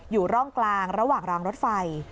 อยู่ร่องกลางระหว่างรางรถไฟ